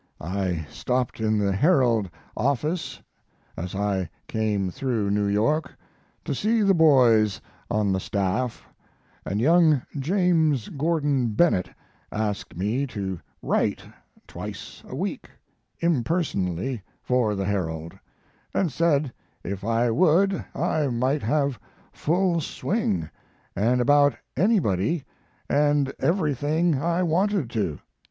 I stopped in the Herald office, as I came through New York, to see the boys on the staff, and young James Gordon Bennett asked me to write twice a week, impersonally, for the Herald, and said if I would I might have full swing, and about anybody and everything I wanted to.